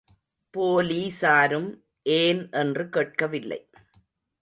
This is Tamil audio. போலீசாரும் ஏன் என்று கேட்கவில்லை.